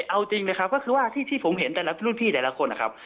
เอาจริงนะครับก็คือว่าที่ผมเห็นแต่ละรุ่นพี่แต่ละคนนะครับ